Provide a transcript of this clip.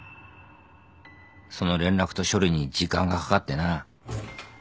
その連絡と処理に時間がかかってな。